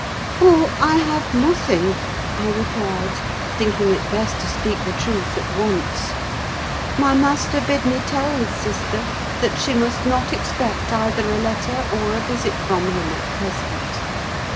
"Oh, I have nothing," I replied, thinking it best to speak the truth at once. "My master bid me tell his sister that she must not expect either a letter or a visit from him at present.